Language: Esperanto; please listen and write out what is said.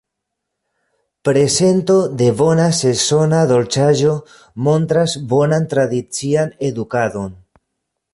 Prezento de bona sezona dolĉaĵo montras bonan tradician edukadon.